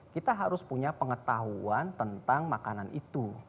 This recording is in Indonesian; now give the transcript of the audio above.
kita harus punya pengetahuan tentang makanan itu